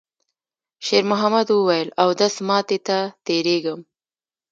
شېرمحمد وویل: «اودس ماتی ته تېرېږم.»